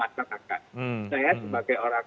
masyarakat saya sebagai orang